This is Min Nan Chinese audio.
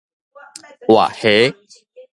活蝦